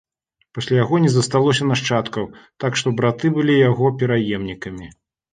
Пасля яго не засталося нашчадкаў, так што браты былі яго пераемнікамі.